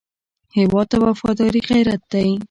هېواد ته وفاداري غیرت دی